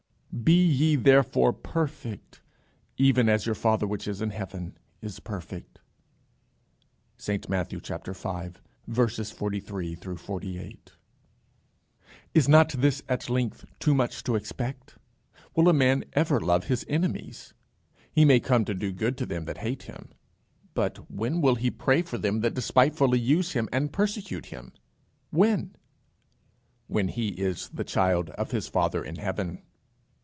Be ye therefore perfect, even as your Father which is in heaven is perfect._ St Matthew v. 43 48. Is not this at length too much to expect? Will a man ever love his enemies? He may come to do good to them that hate him; but when will he pray for them that despitefully use him and persecute him? When? When he is the child of his Father in heaven.